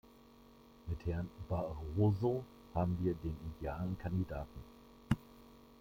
Mit Herrn Barroso haben wir den idealen Kandidaten.